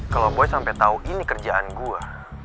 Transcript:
kalo boy sampai tau ini kerjaan gue